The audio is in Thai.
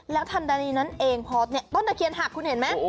แล้วทานดันีนั้นเองต้นตะเขียนหักคุณเห็นไหม